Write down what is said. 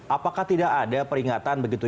apakah tidak ada peringatan begitu